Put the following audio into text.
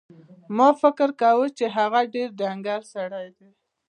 ما فکر کاوه چې هغه ډېر ډنګر سړی دی.